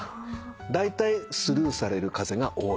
だいたいスルーされる風が多い？